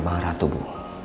bang ratu bu